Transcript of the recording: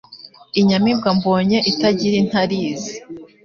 Inyamibwa mbonye itagira intarizi